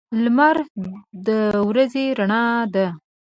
لمر د ورځې رڼا ده.